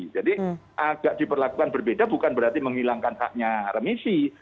jadi agak diperlakukan berbeda bukan berarti menghilangkan haknya remisi